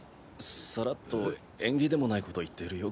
さらっと縁起でもないこと言っているよ